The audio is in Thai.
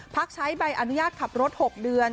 พักใช้ใบอนุญาตขับรถ๖เดือน